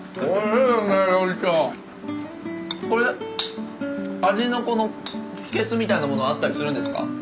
これ味のこの秘けつみたいなものあったりするんですか？